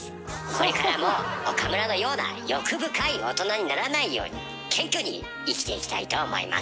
これからも岡村のような欲深い大人にならないように謙虚に生きていきたいと思います。